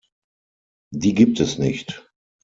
Die gibt es nicht.